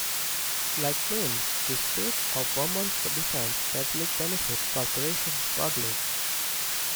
Like Maine, the state of Vermont defines public-benefit corporations broadly.